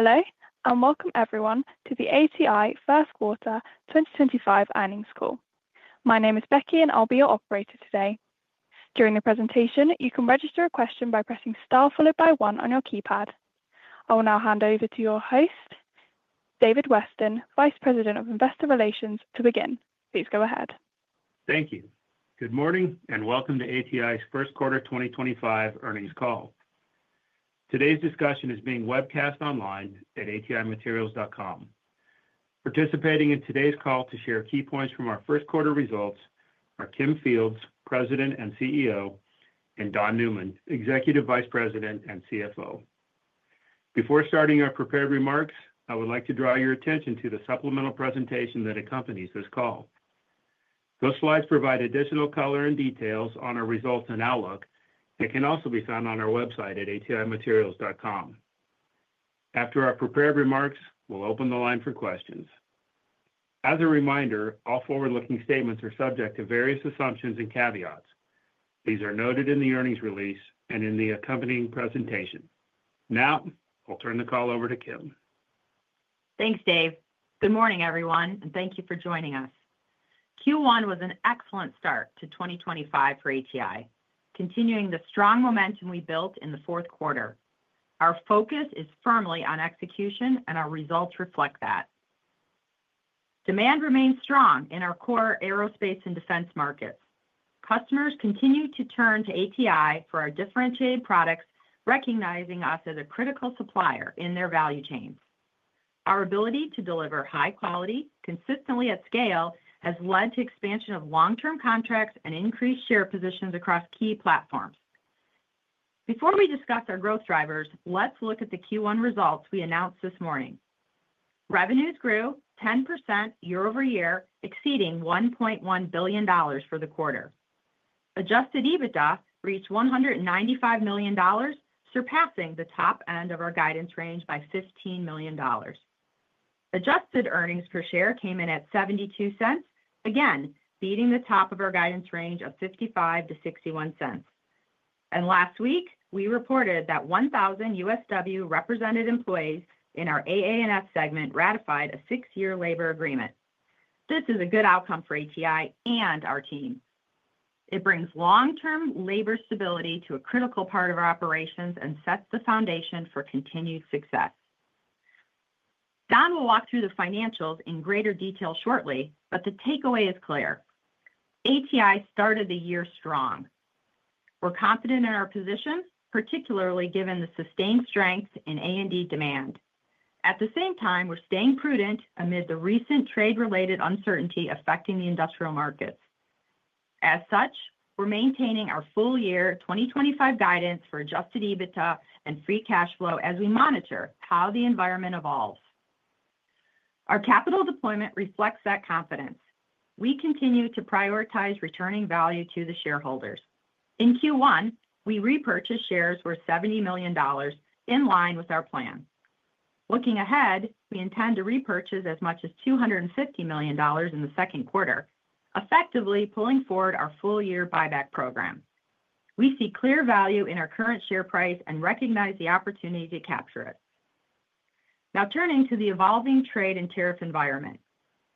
Hello and welcome everyone to the ATI first quarter 2025 earnings call. My name is Becky and I'll be your operator today. During the presentation, you can register a question by pressing star followed by one on your keypad. I will now hand over to your host, David Weston, Vice President of Investor Relations, to begin. Please go ahead. Thank you. Good morning and welcome to ATI's first quarter 2025 earnings call. Today's discussion is being webcast online at atimaterials.com. Participating in today's call to share key points from our first quarter results are Kim Fields, President and CEO, and Don Newman, Executive Vice President and CFO. Before starting our prepared remarks, I would like to draw your attention to the supplemental presentation that accompanies this call. Those slides provide additional color and details on our results and outlook and can also be found on our website at atimaterials.com. After our prepared remarks, we'll open the line for questions. As a reminder, all forward-looking statements are subject to various assumptions and caveats. These are noted in the earnings release and in the accompanying presentation. Now I'll turn the call over to Kim. Thanks, Dave. Good morning everyone and thank you for joining us. Q1 was an excellent start to 2025 for ATI, continuing the strong momentum we built in the fourth quarter. Our focus is firmly on execution and our results reflect that. Demand remains strong in our core Aerospace and Defense markets. Customers continue to turn to ATI for our differentiated products, recognizing us as a critical supplier in their value chains. Our ability to deliver high quality consistently at scale has led to expansion of long-term contracts and increased share positions across key platforms. Before we discuss our growth drivers, let's look at the Q1 results we announced this morning. Revenues grew 10% year over year, exceeding $1.1 billion for the quarter. Adjusted EBITDA reached $195 million, surpassing the top end of our guidance range by $15 million. Adjusted earnings per share came in at $0.72, again beating the top of our guidance range of $0.55-$0.61. Last week, we reported that 1,000 USW represented employees in our AA&S segment ratified a six-year labor agreement. This is a good outcome for ATI and our team. It brings long-term labor stability to a critical part of our operations and sets the foundation for continued success. Don will walk through the financials in greater detail shortly, but the takeaway is clear. ATI started the year strong. We're confident in our position, particularly given the sustained strength in A&D demand. At the same time, we're staying prudent amid the recent trade-related uncertainty affecting the industrial markets. As such, we're maintaining our full year 2025 guidance for adjusted EBITDA and free cash flow as we monitor how the environment evolves. Our capital deployment reflects that confidence. We continue to prioritize returning value to the shareholders. In Q1, we repurchased shares worth $70 million in line with our plan. Looking ahead, we intend to repurchase as much as $250 million in the second quarter, effectively pulling forward our full year buyback program. We see clear value in our current share price and recognize the opportunity to capture it. Now turning to the evolving trade and tariff environment,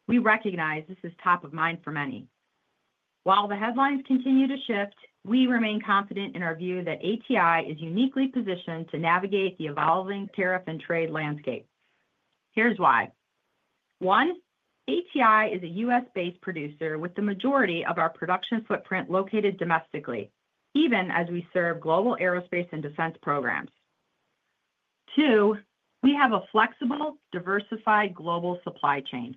we recognize this is top of mind for many. While the headlines continue to shift, we remain confident in our view that ATI is uniquely positioned to navigate the evolving tariff and trade landscape. Here's why. One, ATI is a U.S.-based producer with the majority of our production footprint located domestically, even as we serve global Aerospace and Defense programs. Two, we have a flexible, diversified global supply chain.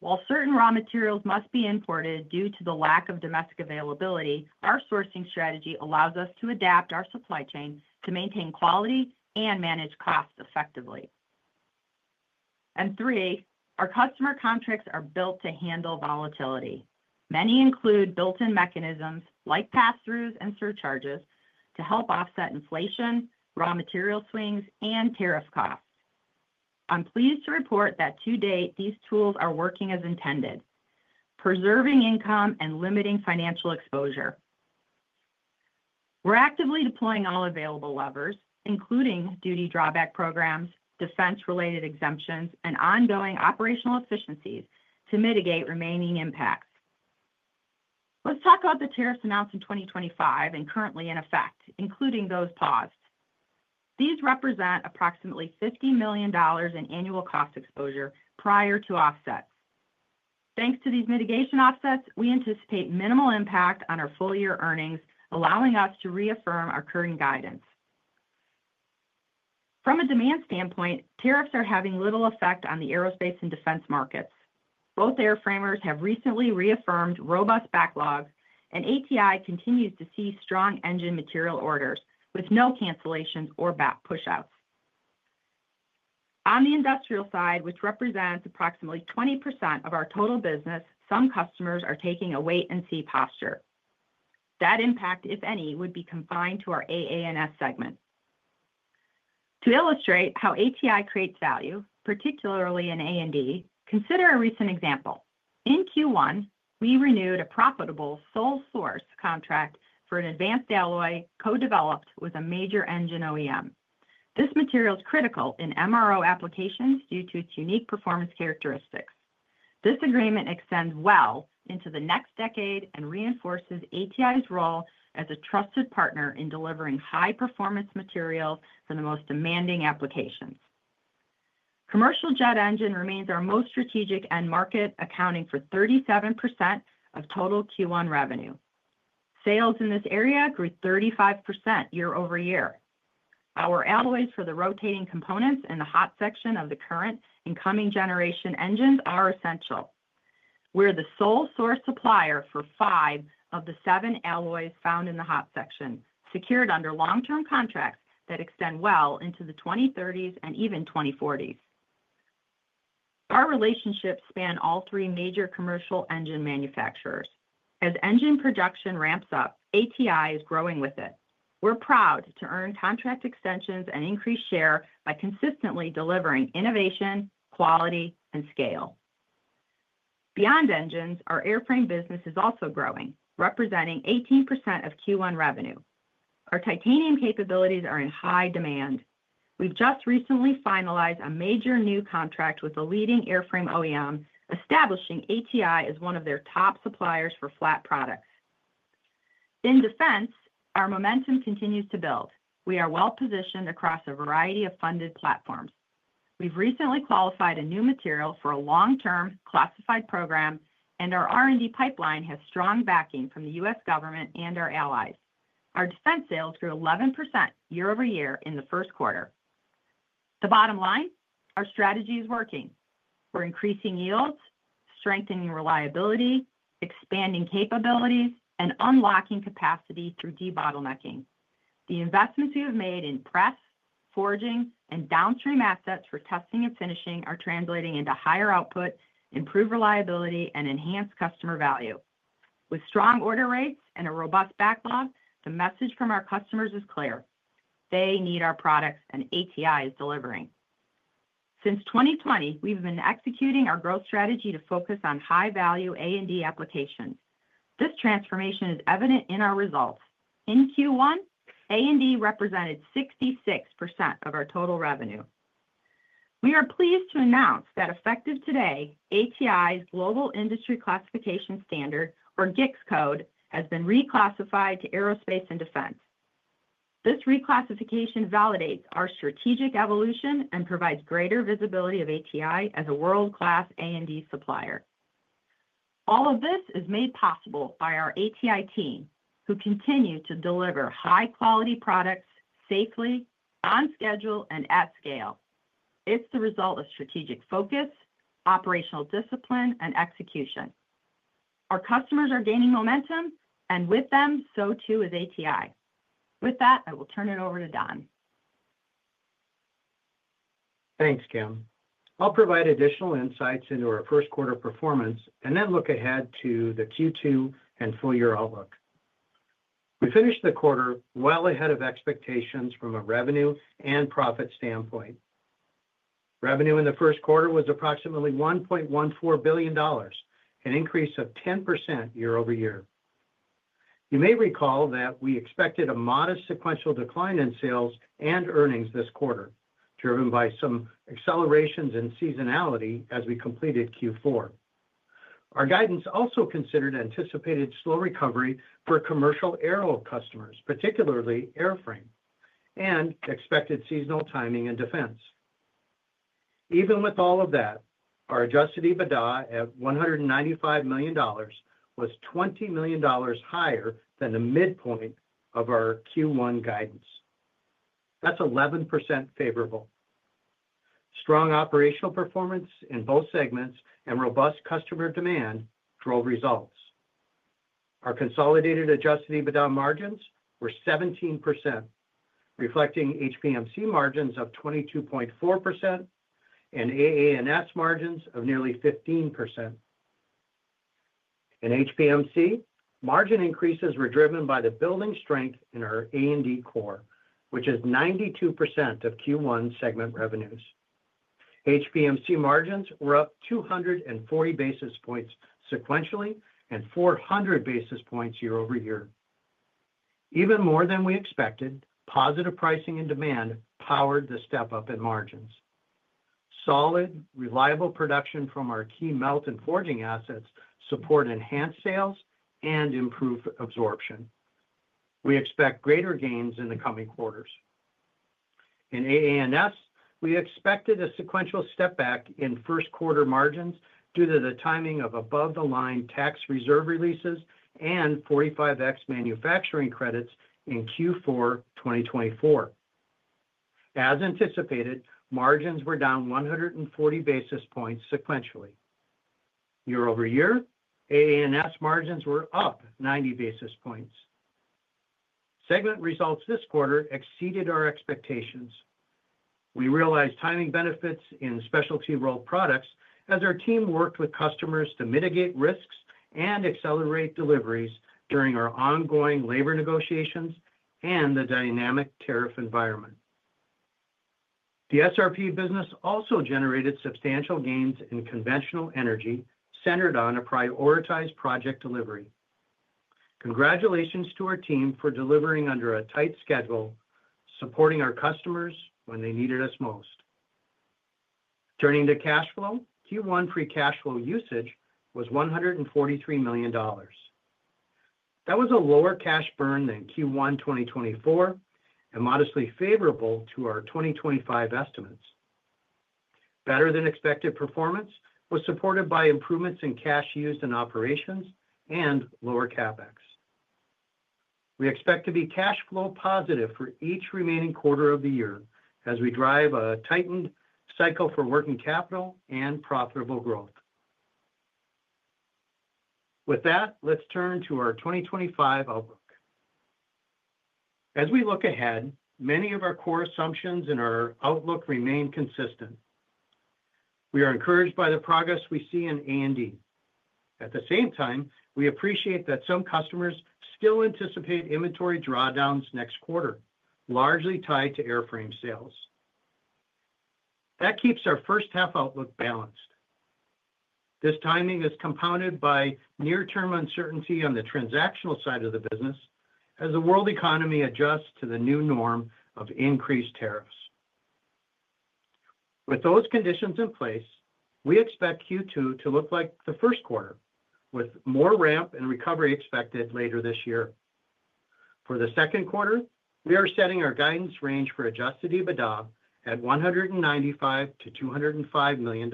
While certain raw materials must be imported due to the lack of domestic availability, our sourcing strategy allows us to adapt our supply chain to maintain quality and manage costs effectively. Our customer contracts are built to handle volatility. Many include built-in mechanisms like pass-throughs and surcharges to help offset inflation, raw material swings, and tariff costs. I'm pleased to report that to date, these tools are working as intended, preserving income and limiting financial exposure. We're actively deploying all available levers, including duty drawback programs, defense-related exemptions, and ongoing operational efficiencies to mitigate remaining impacts. Let's talk about the tariffs announced in 2025 and currently in effect, including those paused. These represent approximately $50 million in annual cost exposure prior to offsets. Thanks to these mitigation offsets, we anticipate minimal impact on our full year earnings, allowing us to reaffirm our current guidance. From a demand standpoint, tariffs are having little effect on the Aerospace & Defense markets. Both airframers have recently reaffirmed robust backlogs, and ATI continues to see strong engine material orders with no cancellations or back push-outs. On the industrial side, which represents approximately 20% of our total business, some customers are taking a wait-and-see posture. That impact, if any, would be confined to our AA&S segment. To illustrate how ATI creates value, particularly in A&D, consider a recent example. In Q1, we renewed a profitable sole source contract for an advanced alloy co-developed with a major engine OEM. This material is critical in MRO applications due to its unique performance characteristics. This agreement extends well into the next decade and reinforces ATI's role as a trusted partner in delivering high-performance materials for the most demanding applications. Commercial jet engine remains our most strategic end market, accounting for 37% of total Q1 revenue. Sales in this area grew 35% year over year. Our alloys for the rotating components and the hot section of the current and coming generation engines are essential. We're the sole source supplier for five of the seven alloys found in the hot section, secured under long-term contracts that extend well into the 2030s and even 2040s. Our relationships span all three major commercial engine manufacturers. As engine production ramps up, ATI is growing with it. We're proud to earn contract extensions and increased share by consistently delivering innovation, quality, and scale. Beyond engines, our airframe business is also growing, representing 18% of Q1 revenue. Our titanium capabilities are in high demand. We've just recently finalized a major new contract with a leading airframe OEM, establishing ATI as one of their top suppliers for flat products. In defense, our momentum continues to build. We are well positioned across a variety of funded platforms. We've recently qualified a new material for a long-term classified program, and our R&D pipeline has strong backing from the U.S. government and our allies. Our defense sales grew 11% year over year in the first quarter. The bottom line, our strategy is working. We're increasing yields, strengthening reliability, expanding capabilities, and unlocking capacity through debottlenecking. The investments we have made in press, forging, and downstream assets for testing and finishing are translating into higher output, improved reliability, and enhanced customer value. With strong order rates and a robust backlog, the message from our customers is clear. They need our products, and ATI is delivering. Since 2020, we've been executing our growth strategy to focus on high-value A&D applications. This transformation is evident in our results. In Q1, A&D represented 66% of our total revenue. We are pleased to announce that effective today, ATI's Global Industry Classification Standard, or GICS code, has been reclassified to Aerospace and Defense. This reclassification validates our strategic evolution and provides greater visibility of ATI as a world-class A&D supplier. All of this is made possible by our ATI team, who continue to deliver high-quality products safely, on schedule, and at scale. It's the result of strategic focus, operational discipline, and execution. Our customers are gaining momentum, and with them, so too is ATI. With that, I will turn it over to Don. Thanks, Kim. I'll provide additional insights into our first quarter performance and then look ahead to the Q2 and full year outlook. We finished the quarter well ahead of expectations from a revenue and profit standpoint. Revenue in the first quarter was approximately $1.14 billion, an increase of 10% year over year. You may recall that we expected a modest sequential decline in sales and earnings this quarter, driven by some accelerations in seasonality as we completed Q4. Our guidance also considered anticipated slow recovery for commercial aero customers, particularly airframe, and expected seasonal timing in defense. Even with all of that, our adjusted EBITDA at $195 million was $20 million higher than the midpoint of our Q1 guidance. That's 11% favorable. Strong operational performance in both segments and robust customer demand drove results. Our consolidated adjusted EBITDA margins were 17%, reflecting HPMC margins of 22.4% and AA&S margins of nearly 15%. In HPMC, margin increases were driven by the building strength in our A&D core, which is 92% of Q1 segment revenues. HPMC margins were up 240 basis points sequentially and 400 basis points year over year. Even more than we expected, positive pricing and demand powered the step-up in margins. Solid, reliable production from our key melt and forging assets support enhanced sales and improved absorption. We expect greater gains in the coming quarters. In AA&S, we expected a sequential step back in first quarter margins due to the timing of above-the-line tax reserve releases and 45X manufacturing credits in Q4 2024. As anticipated, margins were down 140 basis points sequentially. Year-over-year, AA&S margins were up 90 basis points. Segment results this quarter exceeded our expectations. We realized timing benefits in Specialty Rolled Products as our team worked with customers to mitigate risks and accelerate deliveries during our ongoing labor negotiations and the dynamic tariff environment. The SRP business also generated substantial gains in conventional energy centered on a prioritized project delivery. Congratulations to our team for delivering under a tight schedule, supporting our customers when they needed us most. Turning to cash flow, Q1 free cash flow usage was $143 million. That was a lower cash burn than Q1 2024 and modestly favorable to our 2025 estimates. Better than expected performance was supported by improvements in cash used in operations and lower CapEx. We expect to be cash flow positive for each remaining quarter of the year as we drive a tightened cycle for working capital and profitable growth. With that, let's turn to our 2025 outlook. As we look ahead, many of our core assumptions in our outlook remain consistent. We are encouraged by the progress we see in A&D. At the same time, we appreciate that some customers still anticipate inventory drawdowns next quarter, largely tied to airframe sales. That keeps our first half outlook balanced. This timing is compounded by near-term uncertainty on the transactional side of the business as the world economy adjusts to the new norm of increased tariffs. With those conditions in place, we expect Q2 to look like the first quarter, with more ramp and recovery expected later this year. For the second quarter, we are setting our guidance range for adjusted EBITDA at $195-$205 million.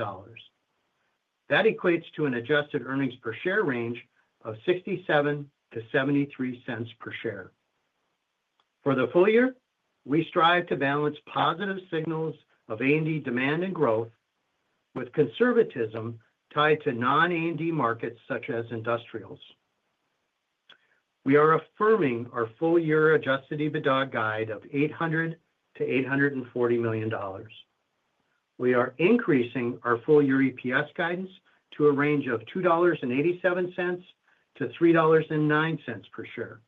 That equates to an adjusted earnings per share range of $0.67-$0.73 per share. For the full year, we strive to balance positive signals of A&D demand and growth with conservatism tied to non-A&D markets such as industrials. We are affirming our full year adjusted EBITDA guide of $800-$840 million. We are increasing our full year EPS guidance to a range of $2.87-$3.09 per share.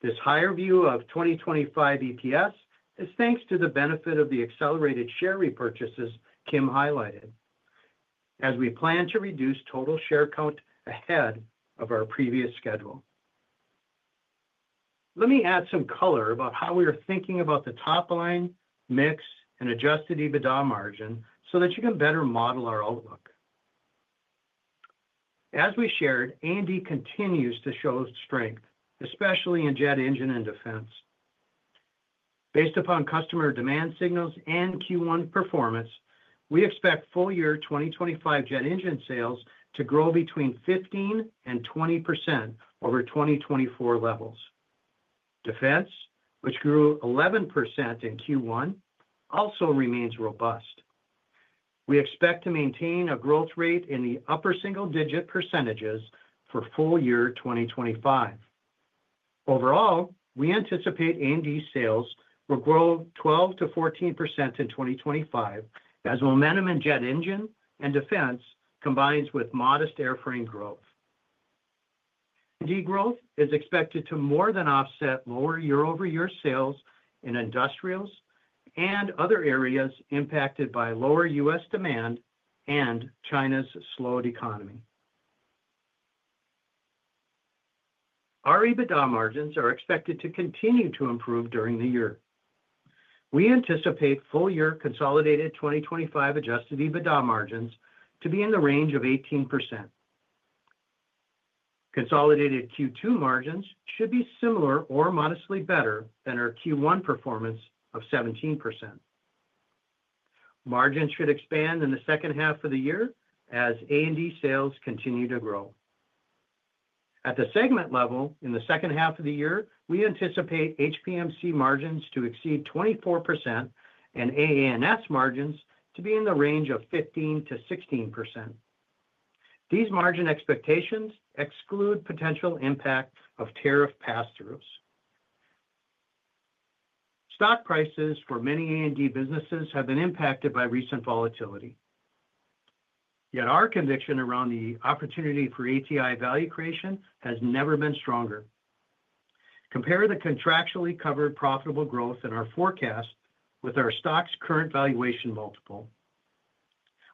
This higher view of 2025 EPS is thanks to the benefit of the accelerated share repurchases Kim highlighted, as we plan to reduce total share count ahead of our previous schedule. Let me add some color about how we are thinking about the top line, mix, and adjusted EBITDA margin so that you can better model our outlook. As we shared, A&D continues to show strength, especially in jet engine and defense. Based upon customer demand signals and Q1 performance, we expect full year 2025 jet engine sales to grow between 15-20% over 2024 levels. Defense, which grew 11% in Q1, also remains robust. We expect to maintain a growth rate in the upper single-digit percentages for full year 2025. Overall, we anticipate A&D sales will grow 12-14% in 2025 as momentum in jet engine and defense combines with modest airframe growth. A&D growth is expected to more than offset lower year-over-year sales in industrials and other areas impacted by lower U.S. demand and China's slowed economy. Our EBITDA margins are expected to continue to improve during the year. We anticipate full year consolidated 2025 adjusted EBITDA margins to be in the range of 18%. Consolidated Q2 margins should be similar or modestly better than our Q1 performance of 17%. Margins should expand in the second half of the year as A&D sales continue to grow. At the segment level in the second half of the year, we anticipate HPMC margins to exceed 24% and AA&S margins to be in the range of 15-16%. These margin expectations exclude potential impact of tariff pass-throughs. Stock prices for many A&D businesses have been impacted by recent volatility. Yet our conviction around the opportunity for ATI value creation has never been stronger. Compare the contractually covered profitable growth in our forecast with our stock's current valuation multiple.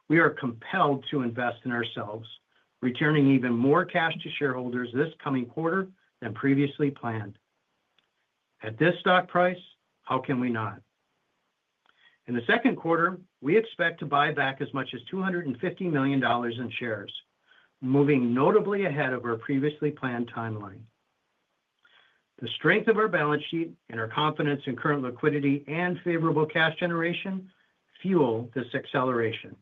We are compelled to invest in ourselves, returning even more cash to shareholders this coming quarter than previously planned. At this stock price, how can we not? In the second quarter, we expect to buy back as much as $250 million in shares, moving notably ahead of our previously planned timeline. The strength of our balance sheet and our confidence in current liquidity and favorable cash generation fuel this acceleration.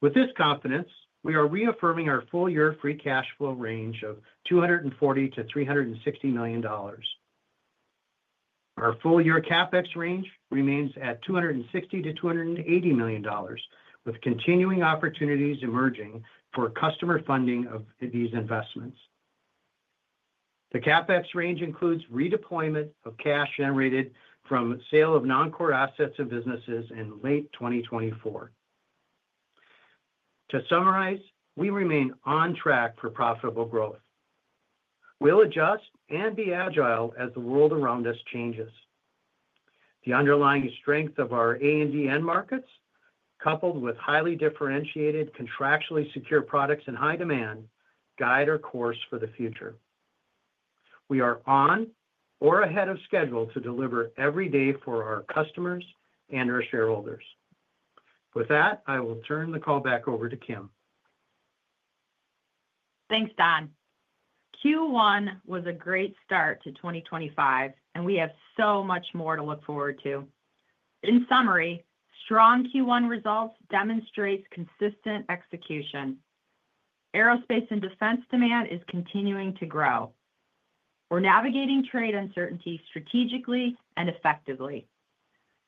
With this confidence, we are reaffirming our full year free cash flow range of $240-$360 million. Our full year CapEx range remains at $260-$280 million, with continuing opportunities emerging for customer funding of these investments. The CapEx range includes redeployment of cash generated from sale of non-core assets of businesses in late 2024. To summarize, we remain on track for profitable growth. We'll adjust and be agile as the world around us changes. The underlying strength of our A&D end markets, coupled with highly differentiated, contractually secure products in high demand, guide our course for the future. We are on or ahead of schedule to deliver every day for our customers and our shareholders. With that, I will turn the call back over to Kim. Thanks, Don. Q1 was a great start to 2025, and we have so much more to look forward to. In summary, strong Q1 results demonstrate consistent execution. Aerospace and Defense demand is continuing to grow. We're navigating trade uncertainty strategically and effectively.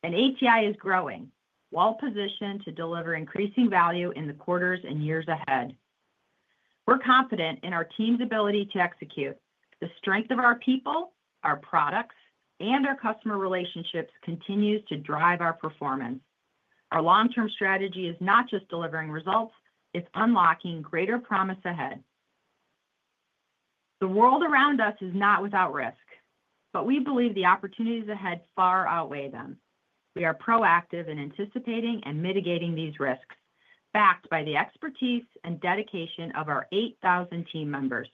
ATI is growing, well-positioned to deliver increasing value in the quarters and years ahead. We're confident in our team's ability to execute. The strength of our people, our products, and our customer relationships continues to drive our performance. Our long-term strategy is not just delivering results; it is unlocking greater promise ahead. The world around us is not without risk, but we believe the opportunities ahead far outweigh them. We are proactive in anticipating and mitigating these risks, backed by the expertise and dedication of our 8,000 team members.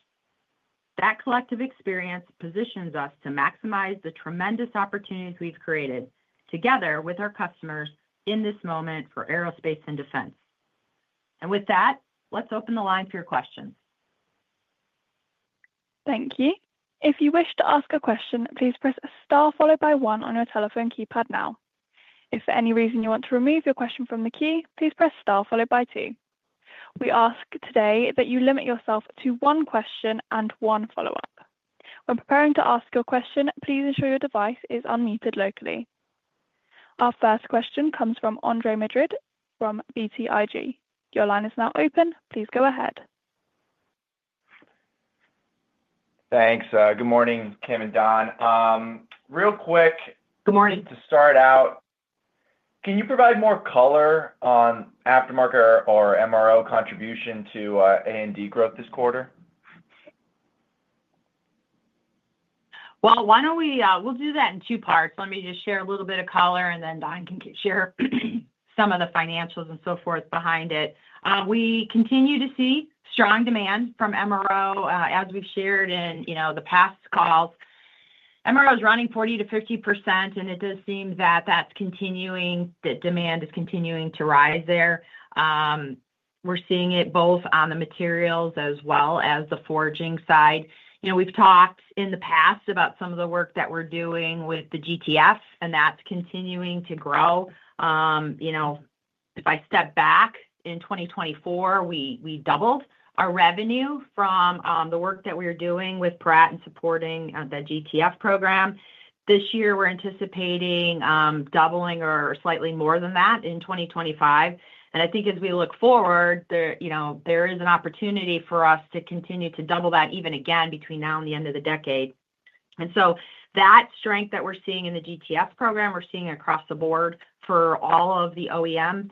That collective experience positions us to maximize the tremendous opportunities we've created together with our customers in this moment for Aerospace and Defense. With that, let's open the line for your questions. Thank you. If you wish to ask a question, please press star followed by one on your telephone keypad now. If for any reason you want to remove your question from the queue, please press star followed by two. We ask today that you limit yourself to one question and one follow-up. When preparing to ask your question, please ensure your device is unmuted locally. Our first question comes from Andre Madrid from BTIG. Your line is now open. Please go ahead. Thanks. Good morning, Kim and Don. Real quick. Good morning. To start out, can you provide more color on Aftermarket or MRO contribution to A&D growth this quarter? Why don't we do that in two parts. Let me just share a little bit of color, and then Don can share some of the financials and so forth behind it. We continue to see strong demand from MRO, as we've shared in past calls. MRO is running 40-50%, and it does seem that demand is continuing to rise there. We're seeing it both on the materials as well as the forging side. We've talked in the past about some of the work that we're doing with the GTF, and that's continuing to grow. If I step back, in 2024, we doubled our revenue from the work that we were doing with Pratt and supporting the GTF program. This year, we're anticipating doubling or slightly more than that in 2025. I think as we look forward, there is an opportunity for us to continue to double that even again between now and the end of the decade. That strength that we're seeing in the GTF program, we're seeing across the board for all of the OEM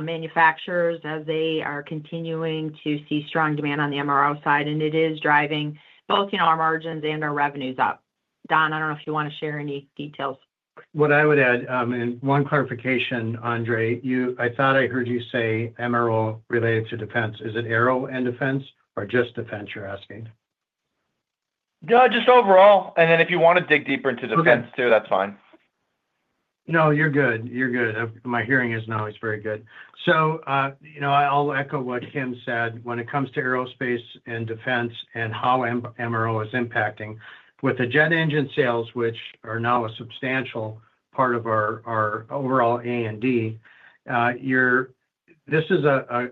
manufacturers as they are continuing to see strong demand on the MRO side, and it is driving both our margins and our revenues up. Don, I don't know if you want to share any details. What I would add, and one clarification, Andre, I thought I heard you say MRO related to defense. Is it aero and defense or just defense you're asking? Just overall. If you want to dig deeper into defense too, that's fine. No, you're good. You're good. My hearing now is very good. I'll echo what Kim said. When it comes to Aerospace and Defense and how MRO is impacting, with the jet engine sales, which are now a substantial part of our overall A&D, this is a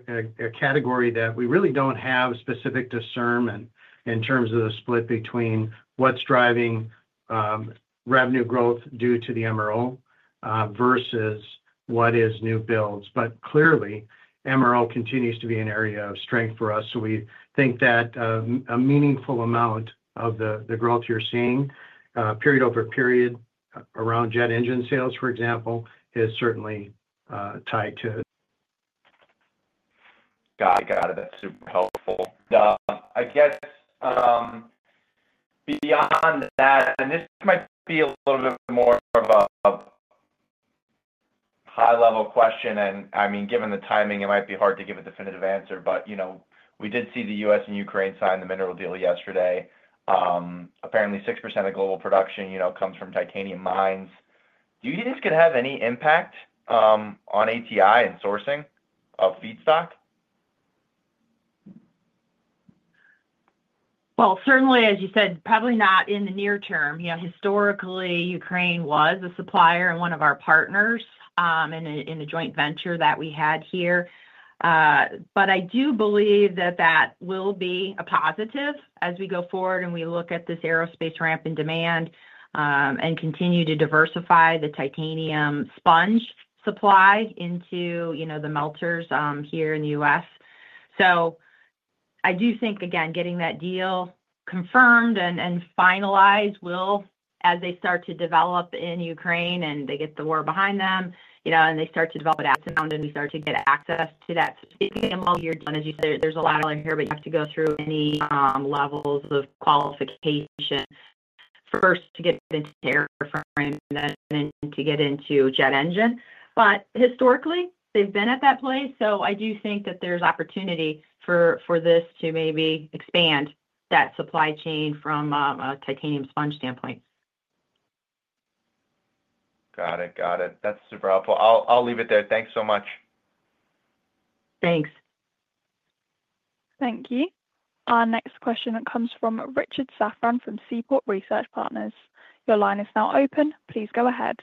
category that we really don't have specific discernment in terms of the split between what's driving revenue growth due to the MRO versus what is new builds. Clearly, MRO continues to be an area of strength for us. We think that a meaningful amount of the growth you're seeing period over period around jet engine sales, for example, is certainly tied to. Got it. Got it. That's super helpful. I guess beyond that, and this might be a little bit more of a high-level question, and I mean, given the timing, it might be hard to give a definitive answer, but we did see the U.S. and Ukraine sign the mineral deal yesterday. Apparently, 6% of global production comes from titanium mines. Do you think this could have any impact on ATI and sourcing of feedstock? Certainly, as you said, probably not in the near term. Historically, Ukraine was a supplier and one of our partners in the joint venture that we had here. I do believe that that will be a positive as we go forward and we look at this aerospace ramp in demand and continue to diversify the titanium sponge supply into the melters here in the U.S. I do think, again, getting that deal confirmed and finalized will, as they start to develop in Ukraine and they get the war behind them and they start to develop it out of town and we start to get access to that. Speaking of all your Don, as you said, there's a lot out here, but you have to go through any levels of qualification first to get into airframe and then to get into jet engine. Historically, they've been at that place. I do think that there's opportunity for this to maybe expand that supply chain from a titanium sponge standpoint. Got it. Got it. That's super helpful. I'll leave it there. Thanks so much. Thanks. Thank you. Our next question comes from Richard Safran from Seaport Research Partners. Your line is now open. Please go ahead.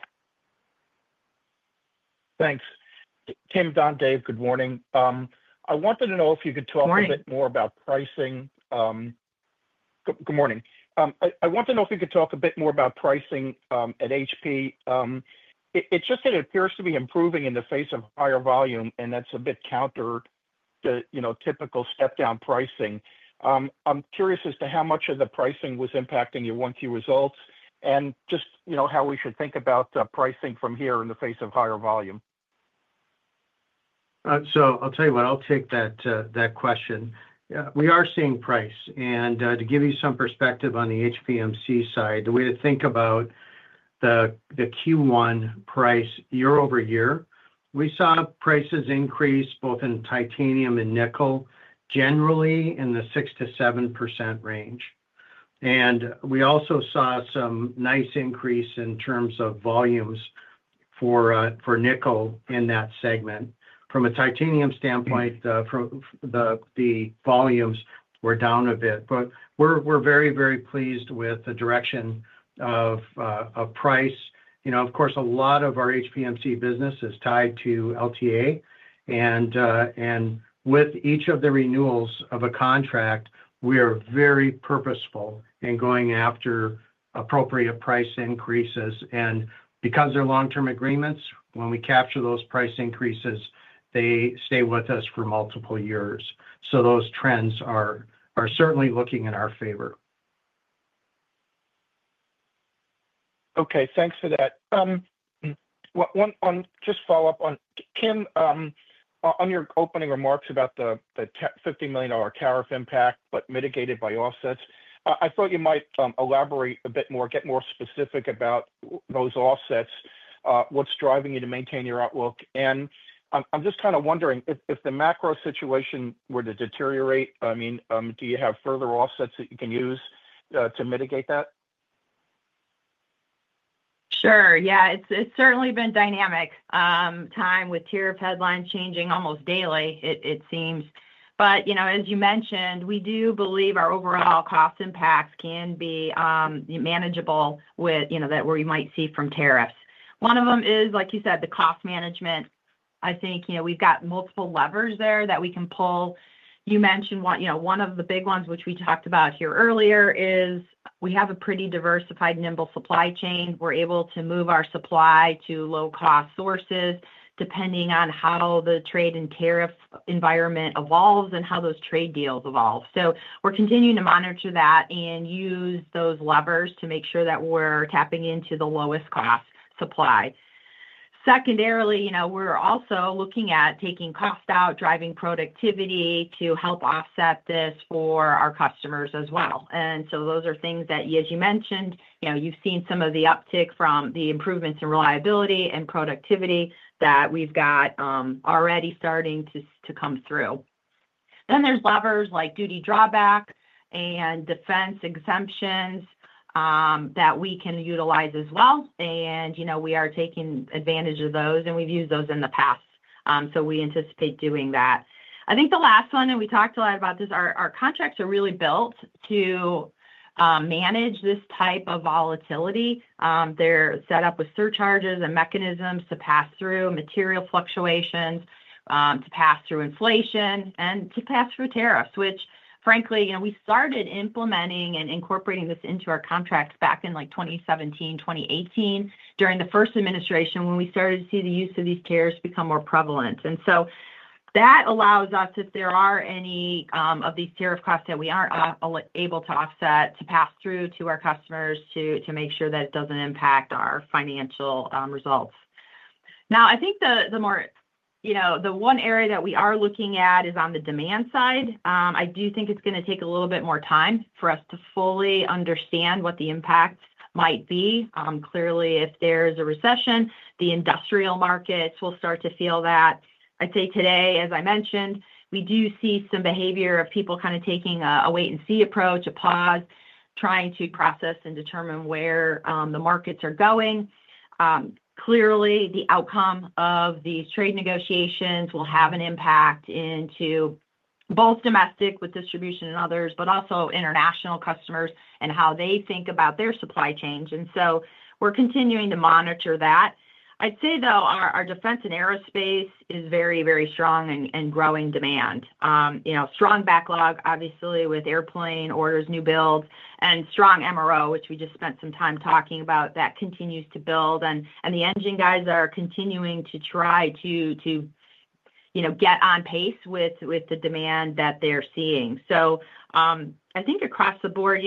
Thanks. Kim, Don, Dave, good morning. I wanted to know if you could talk a bit more about pricing. Good morning. I wanted to know if you could talk a bit more about pricing at HP. It just appears to be improving in the face of higher volume, and that's a bit counter to typical step-down pricing. I'm curious as to how much of the pricing was impacting your 1Q results and just how we should think about pricing from here in the face of higher volume. I'll tell you what, I'll take that question. We are seeing price. To give you some perspective on the HPMC side, the way to think about the Q1 price year over year, we saw prices increase both in titanium and nickel generally in the 6-7% range. We also saw some nice increase in terms of volumes for nickel in that segment. From a titanium standpoint, the volumes were down a bit. We are very, very pleased with the direction of price. Of course, a lot of our HPMC business is tied to LTA. With each of the renewals of a contract, we are very purposeful in going after appropriate price increases. Because they're long-term agreements, when we capture those price increases, they stay with us for multiple years. Those trends are certainly looking in our favor. Okay. Thanks for that. Just follow up on Kim, on your opening remarks about the $50 million tariff impact, but mitigated by offsets. I thought you might elaborate a bit more, get more specific about those offsets, what's driving you to maintain your outlook. I mean, do you have further offsets that you can use to mitigate that? Sure. Yeah. It's certainly been a dynamic time with tariff headlines changing almost daily, it seems. As you mentioned, we do believe our overall cost impacts can be manageable with what you might see from tariffs. One of them is, like you said, the cost management. I think we've got multiple levers there that we can pull. You mentioned one of the big ones, which we talked about here earlier, is we have a pretty diversified, nimble supply chain. We're able to move our supply to low-cost sources depending on how the trade and tariff environment evolves and how those trade deals evolve. We're continuing to monitor that and use those levers to make sure that we're tapping into the lowest cost supply. Secondarily, we're also looking at taking cost out, driving productivity to help offset this for our customers as well. Those are things that, as you mentioned, you've seen some of the uptick from the improvements in reliability and productivity that we've got already starting to come through. There are levers like duty drawback and defense exemptions that we can utilize as well. We are taking advantage of those, and we've used those in the past. We anticipate doing that. I think the last one, and we talked a lot about this, our contracts are really built to manage this type of volatility. They're set up with surcharges and mechanisms to pass through material fluctuations, to pass through inflation, and to pass through tariffs, which frankly, we started implementing and incorporating this into our contracts back in 2017, 2018, during the first administration when we started to see the use of these tariffs become more prevalent. That allows us, if there are any of these tariff costs that we aren't able to offset, to pass through to our customers to make sure that it doesn't impact our financial results. I think the one area that we are looking at is on the demand side. I do think it's going to take a little bit more time for us to fully understand what the impacts might be. Clearly, if there's a recession, the industrial markets will start to feel that. I'd say today, as I mentioned, we do see some behavior of people kind of taking a wait-and-see approach, a pause, trying to process and determine where the markets are going. Clearly, the outcome of these trade negotiations will have an impact into both domestic with distribution and others, but also international customers and how they think about their supply chain. We're continuing to monitor that. I'd say, though, our defense and aerospace is very, very strong and growing demand. Strong backlog, obviously, with airplane orders, new builds, and strong MRO, which we just spent some time talking about, that continues to build. The engine guys are continuing to try to get on pace with the demand that they're seeing. I think across the board,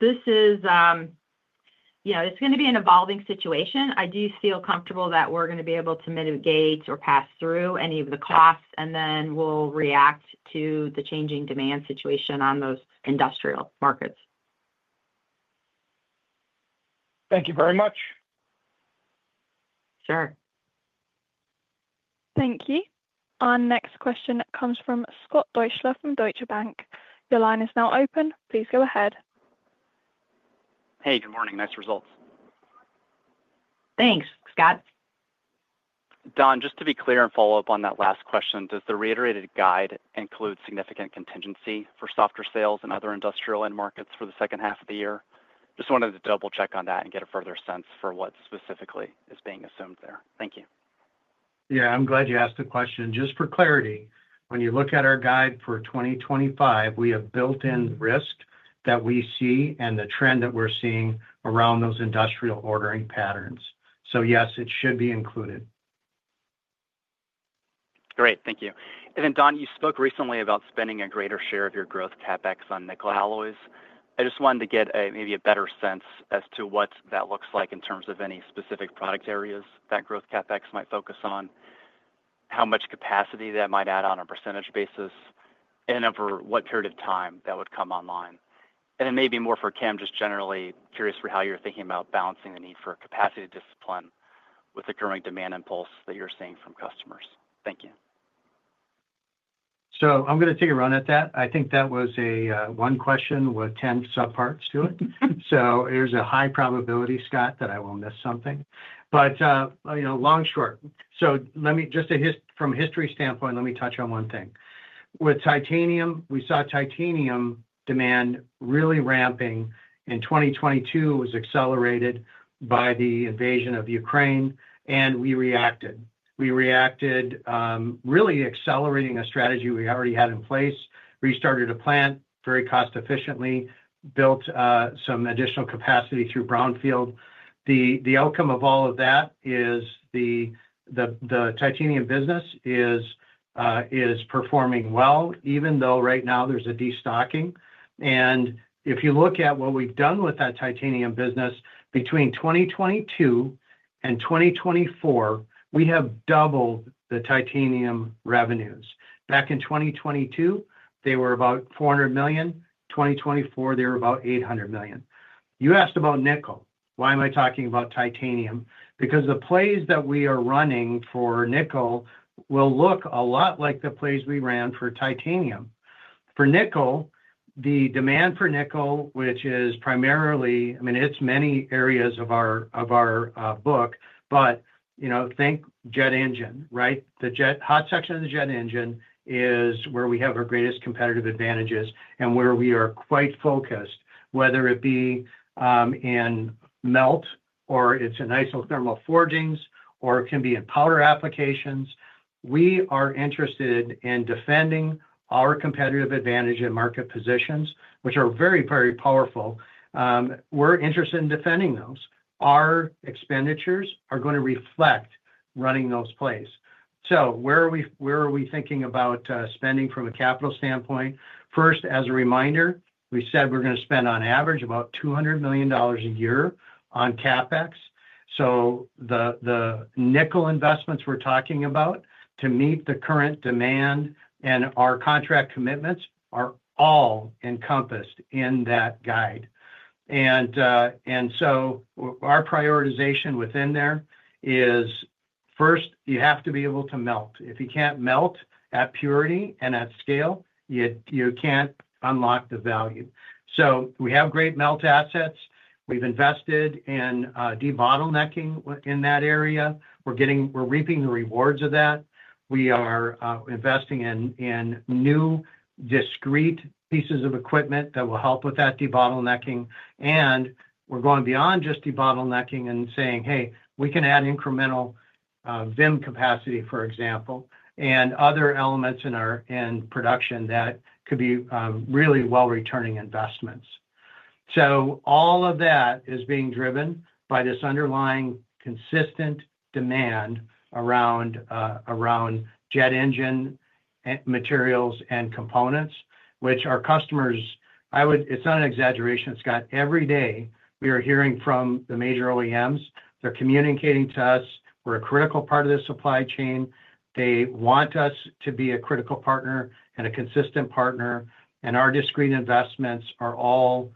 this is going to be an evolving situation. I do feel comfortable that we're going to be able to mitigate or pass through any of the costs, and then we'll react to the changing demand situation on those industrial markets. Thank you very much. Sure. Thank you. Our next question comes from Scott Deuschle from Deutsche Bank. Your line is now open. Please go ahead. Hey, good morning. Nice results. Thanks, Scott. Don, just to be clear and follow up on that last question, does the reiterated guide include significant contingency for softer sales in other industrial end markets for the second half of the year? Just wanted to double-check on that and get a further sense for what specifically is being assumed there. Thank you. Yeah, I'm glad you asked the question. Just for clarity, when you look at our guide for 2025, we have built-in risk that we see and the trend that we're seeing around those industrial ordering patterns. Yes, it should be included. Great. Thank you. Don, you spoke recently about spending a greater share of your growth CapEx on nickel alloys. I just wanted to get maybe a better sense as to what that looks like in terms of any specific product areas that growth CapEx might focus on, how much capacity that might add on a percentage basis, and over what period of time that would come online. Maybe more for Kim, just generally curious for how you're thinking about balancing the need for capacity discipline with the growing demand impulse that you're seeing from customers. Thank you. I'm going to take a run at that. I think that was one question with 10 subparts to it. There's a high probability, Scott, that I will miss something. Long, short. Just from a history standpoint, let me touch on one thing. With titanium, we saw titanium demand really ramping in 2022. It was accelerated by the invasion of Ukraine, and we reacted. We reacted really accelerating a strategy we already had in place. We started a plant very cost-efficiently, built some additional capacity through brownfield. The outcome of all of that is the titanium business is performing well, even though right now there's a destocking. If you look at what we've done with that titanium business, between 2022 and 2024, we have doubled the titanium revenues. Back in 2022, they were about $400 million. 2024, they were about $800 million. You asked about nickel. Why am I talking about titanium? Because the plays that we are running for nickel will look a lot like the plays we ran for titanium. For nickel, the demand for nickel, which is primarily, I mean, it's many areas of our book, but think jet engine, right? The hot section of the jet engine is where we have our greatest competitive advantages and where we are quite focused, whether it be in melt or it's in isothermal forgings or it can be in powder applications. We are interested in defending our competitive advantage and market positions, which are very, very powerful. We're interested in defending those. Our expenditures are going to reflect running those plays. Where are we thinking about spending from a capital standpoint? First, as a reminder, we said we're going to spend on average about $200 million a year on CapEx. The nickel investments we're talking about to meet the current demand and our contract commitments are all encompassed in that guide. Our prioritization within there is, first, you have to be able to melt. If you can't melt at purity and at scale, you can't unlock the value. We have great melt assets. We've invested in debottlenecking in that area. We're reaping the rewards of that. We are investing in new discrete pieces of equipment that will help with that debottlenecking. We're going beyond just debottlenecking and saying, "Hey, we can add incremental VIM capacity, for example, and other elements in production that could be really well-returning investments." All of that is being driven by this underlying consistent demand around jet engine materials and components, which our customers, it's not an exaggeration, Scott, every day we are hearing from the major OEMs. They're communicating to us. We're a critical part of the supply chain. They want us to be a critical partner and a consistent partner. Our discrete investments are all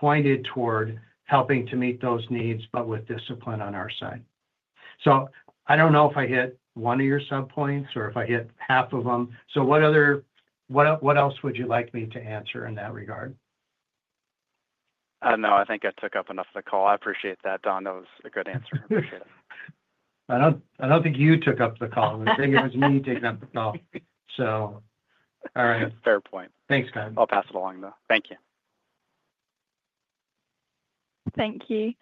pointed toward helping to meet those needs, but with discipline on our side. I don't know if I hit one of your subpoints or if I hit half of them. What else would you like me to answer in that regard? No, I think I took up enough of the call. I appreciate that, Don. That was a good answer. I appreciate it. I don't think you took up the call. I think it was me taking up the call. All right. Fair point. Thanks, Scott. I'll pass it along, though. Thank you. Thank you.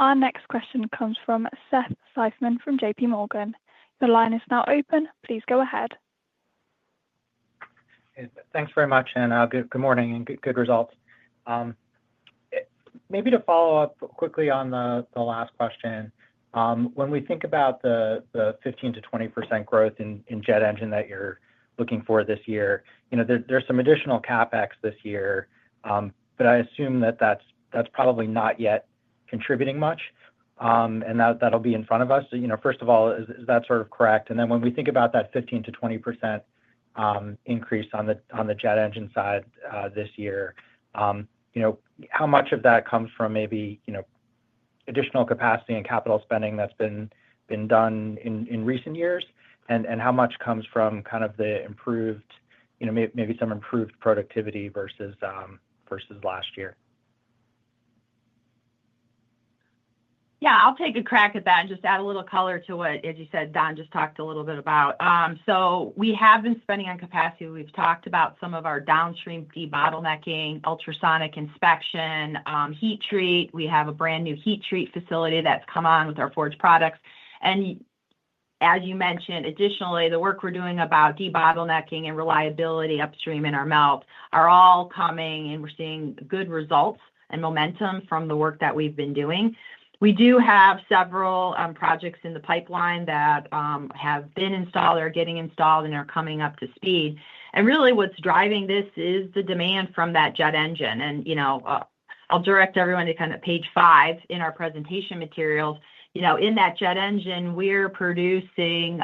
Our next question comes from Seth Seifman from JPMorgan. Your line is now open. Please go ahead. Thanks very much, and good morning and good results. Maybe to follow up quickly on the last question, when we think about the 15-20% growth in jet engine that you're looking for this year, there's some additional CapEx this year, but I assume that that's probably not yet contributing much, and that'll be in front of us. First of all, is that sort of correct? When we think about that 15-20% increase on the jet engine side this year, how much of that comes from maybe additional capacity and capital spending that's been done in recent years, and how much comes from kind of the improved, maybe some improved productivity versus last year? I'll take a crack at that and just add a little color to what, as you said, Don just talked a little bit about. We have been spending on capacity. We've talked about some of our downstream debottlenecking, ultrasonic inspection, heat treat. We have a brand new heat treat facility that's come on with our forged products. As you mentioned, additionally, the work we're doing about debottlenecking and reliability upstream in our melt are all coming, and we're seeing good results and momentum from the work that we've been doing. We do have several projects in the pipeline that have been installed or are getting installed and are coming up to speed. Really, what's driving this is the demand from that jet engine. I'll direct everyone to kind of page five in our presentation materials. In that jet engine, we're producing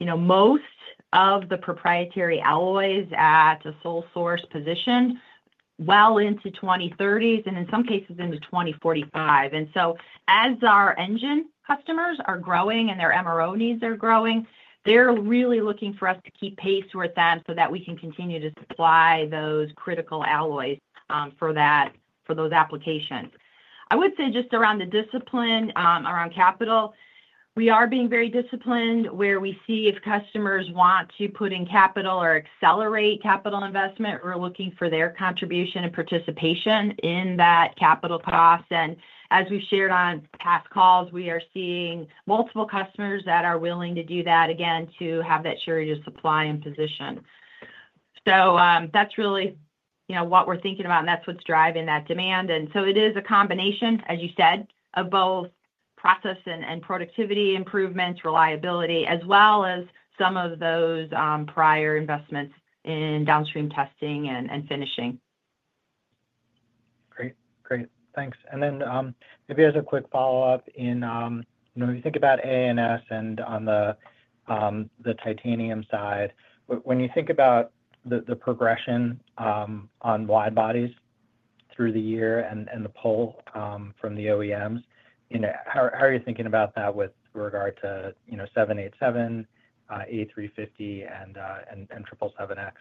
most of the proprietary alloys at a sole source position well into the 2030s and in some cases into 2045. As our engine customers are growing and their MRO needs are growing, they're really looking for us to keep pace with them so that we can continue to supply those critical alloys for those applications. I would say just around the discipline around capital, we are being very disciplined where we see if customers want to put in capital or accelerate capital investment, we're looking for their contribution and participation in that capital cost. As we've shared on past calls, we are seeing multiple customers that are willing to do that again to have that shortage of supply in position. That's really what we're thinking about, and that's what's driving that demand. It is a combination, as you said, of both process and productivity improvements, reliability, as well as some of those prior investments in downstream testing and finishing. Great. Great. Thanks. Maybe as a quick follow-up, when you think about AA&S and on the titanium side, when you think about the progression on wide bodies through the year and the pull from the OEMs, how are you thinking about that with regard to 787, A350, and 777X?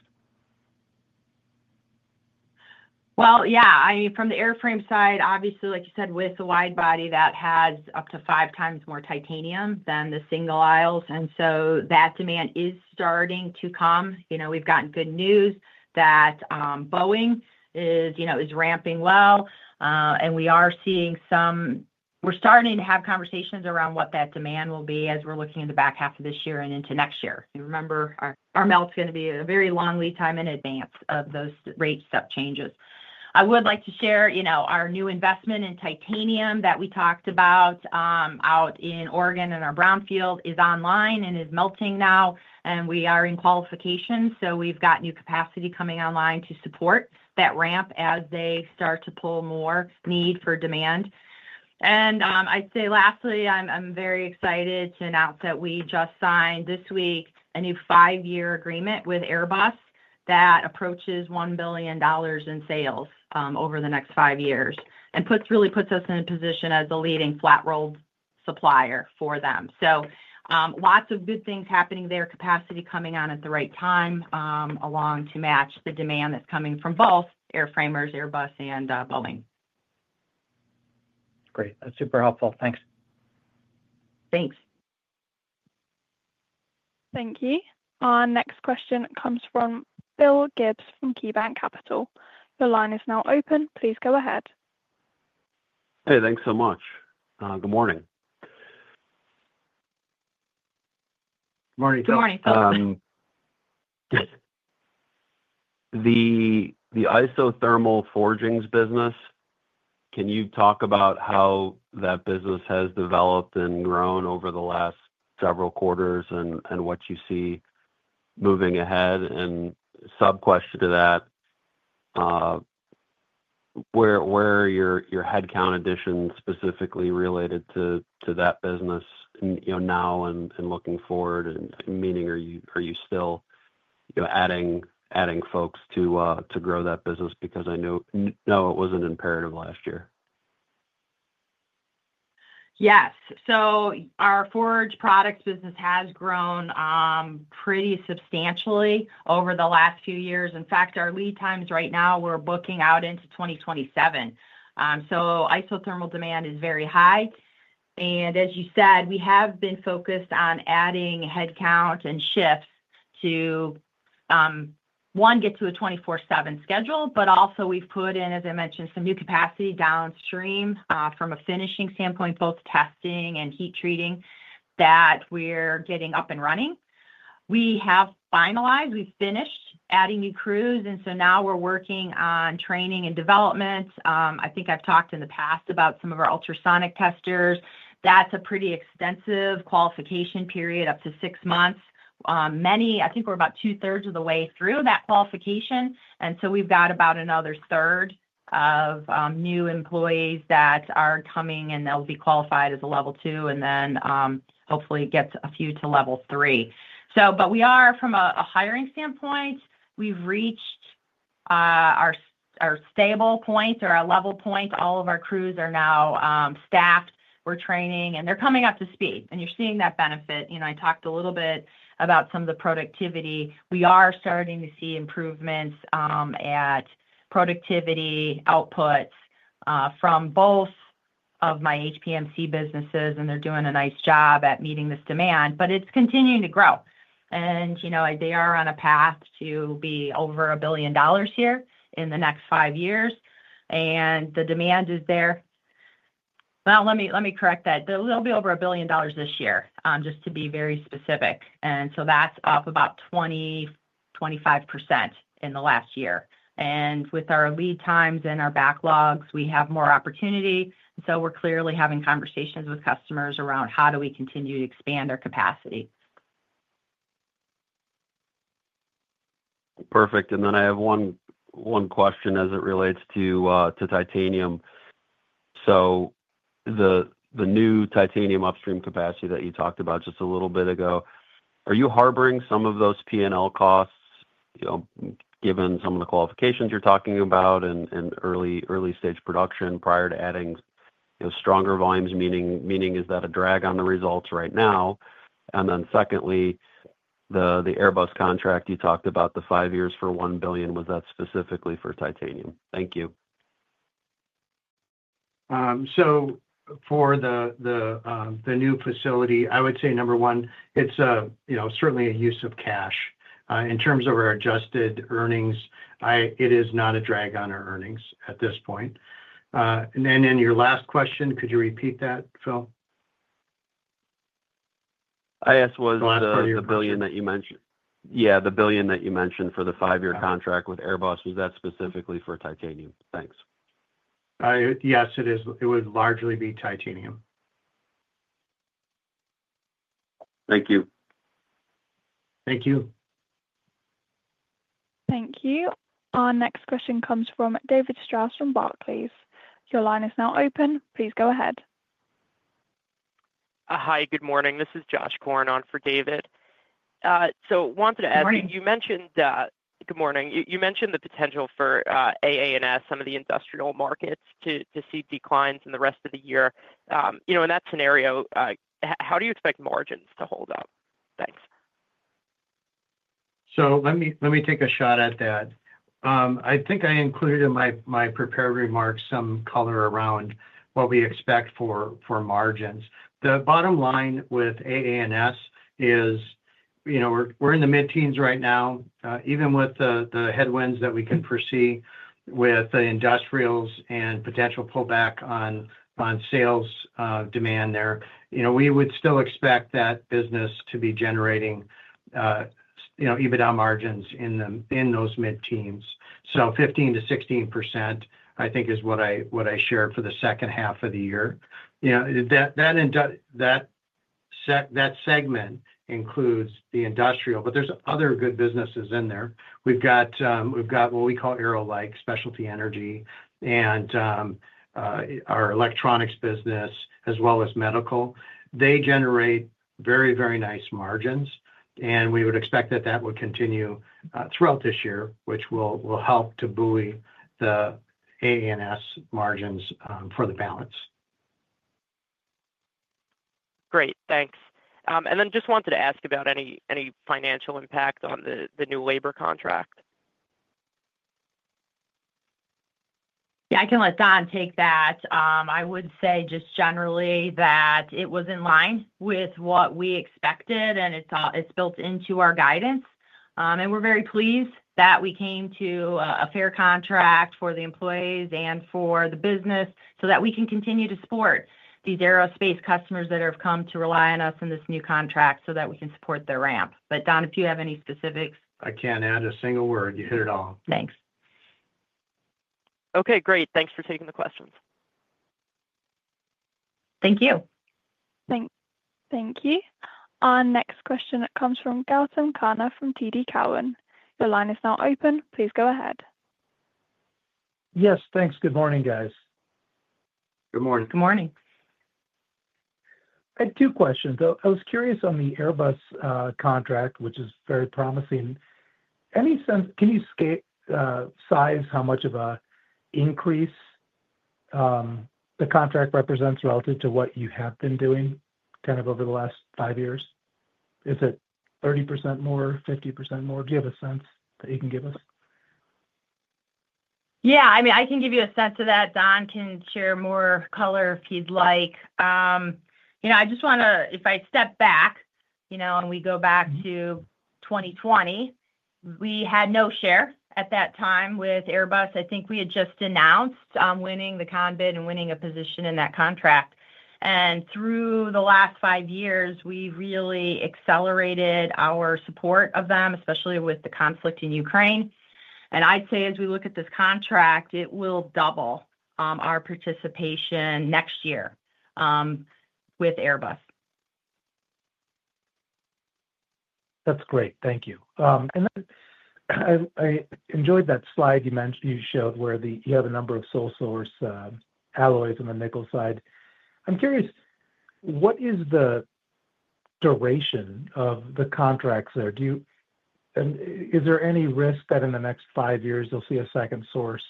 I mean, from the airframe side, obviously, like you said, with the widebody, that has up to five times more titanium than the single-aisles. That demand is starting to come. We've gotten good news that Boeing is ramping well, and we are seeing some, we're starting to have conversations around what that demand will be as we're looking in the back half of this year and into next year. Remember, our melt's going to be a very long lead time in advance of those rate step changes. I would like to share our new investment in titanium that we talked about out in Oregon, and our brownfield is online and is melting now, and we are in qualification. We've got new capacity coming online to support that ramp as they start to pull more need for demand. I'd say lastly, I'm very excited to announce that we just signed this week a new five-year agreement with Airbus that approaches $1 billion in sales over the next five years and really puts us in a position as the leading flat-rolled supplier for them. Lots of good things happening there, capacity coming on at the right time along to match the demand that's coming from both airframers, Airbus, and Boeing. Great. That's super helpful. Thanks. Thanks. Thank you. Our next question comes from Phil Gibbs from KeyBanc Capital. Your line is now open. Please go ahead. Hey, thanks so much. Good morning. Good morning, Phil. Good morning, sorry. The isothermal forgings business, can you talk about how that business has developed and grown over the last several quarters and what you see moving ahead? A sub-question to that, where are your headcount additions specifically related to that business now and looking forward? I mean, are you still adding folks to grow that business because I know it wasn't imperative last year? Yes. Our forged products business has grown pretty substantially over the last few years. In fact, our lead times right now, we're booking out into 2027. Isothermal demand is very high. As you said, we have been focused on adding headcount and shifts to, one, get to a 24/7 schedule, but also we've put in, as I mentioned, some new capacity downstream from a finishing standpoint, both testing and heat treating that we're getting up and running. We have finalized. We've finished adding new crews. Now we're working on training and development. I think I've talked in the past about some of our ultrasonic testers. That's a pretty extensive qualification period, up to six months. I think we're about two-thirds of the way through that qualification. We've got about another third of new employees that are coming, and they'll be qualified as a level two and then hopefully get a few to level three. From a hiring standpoint, we've reached our stable point or our level point. All of our crews are now staffed. We're training, and they're coming up to speed. You're seeing that benefit. I talked a little bit about some of the productivity. We are starting to see improvements at productivity outputs from both of my HPMC businesses, and they're doing a nice job at meeting this demand, but it's continuing to grow. They are on a path to be over a billion dollars here in the next five years. The demand is there. Let me correct that. They'll be over a billion dollars this year, just to be very specific. That's up about 20-25% in the last year. With our lead times and our backlogs, we have more opportunity. We're clearly having conversations with customers around how do we continue to expand our capacity. Perfect. I have one question as it relates to titanium. The new titanium upstream capacity that you talked about just a little bit ago, are you harboring some of those P&L costs given some of the qualifications you're talking about and early-stage production prior to adding stronger volumes, meaning is that a drag on the results right now? Secondly, the Airbus contract you talked about, the five years for $1 billion, was that specifically for titanium? Thank you. For the new facility, I would say number one, it's certainly a use of cash. In terms of our adjusted earnings, it is not a drag on our earnings at this point. In your last question, could you repeat that, Phil? I asked, was the billion that you mentioned? Yeah, the billion that you mentioned for the five-year contract with Airbus, was that specifically for titanium? Thanks. Yes, it is. It would largely be titanium. Thank you. Thank you. Thank you. Our next question comes from David Strauss from Barclays. Your line is now open. Please go ahead. Hi, good morning. This is Josh Korn on for David. I wanted to ask. Good morning. You mentioned that, good morning. You mentioned the potential for AA&S, some of the industrial markets to see declines in the rest of the year. In that scenario, how do you expect margins to hold up? Thanks. Let me take a shot at that. I think I included in my prepared remarks some color around what we expect for margins. The bottom line with AA&S is we're in the mid-teens right now, even with the headwinds that we can foresee with the industrials and potential pullback on sales demand there. We would still expect that business to be generating EBITDA margins in those mid-teens. 15%-16%, I think, is what I shared for the second half of the year. That segment includes the industrial, but there's other good businesses in there. We've got what we call Aero-Like, Specialty Energy, and our electronics business, as well as medical. They generate very, very nice margins, and we would expect that that would continue throughout this year, which will help to buoy the AA&S margins for the balance. Great. Thanks. I just wanted to ask about any financial impact on the new labor contract. Yeah, I can let Don take that. I would say just generally that it was in line with what we expected, and it's built into our guidance. We're very pleased that we came to a fair contract for the employees and for the business so that we can continue to support these aerospace customers that have come to rely on us in this new contract so that we can support their ramp. Don, if you have any specifics. I can't add a single word. You hit it all. Thanks. Okay. Great. Thanks for taking the questions. Thank you. Thank you. Our next question, it comes from Gautam Khanna from TD Cowen. Your line is now open. Please go ahead. Yes. Thanks. Good morning, guys. Good morning. Good morning. I had two questions. I was curious on the Airbus contract, which is very promising. Can you size how much of an increase the contract represents relative to what you have been doing kind of over the last five years? Is it 30% more, 50% more? Do you have a sense that you can give us? Yeah. I mean, I can give you a sense of that. Don can share more color if he'd like. I just want to, if I step back and we go back to 2020, we had no share at that time with Airbus. I think we had just announced winning the contract bid and winning a position in that contract. Through the last five years, we've really accelerated our support of them, especially with the conflict in Ukraine. I'd say as we look at this contract, it will double our participation next year with Airbus. That's great. Thank you. I enjoyed that slide you showed where you have a number of sole source alloys on the nickel side. I'm curious, what is the duration of the contracts there? Is there any risk that in the next five years, you'll see a second source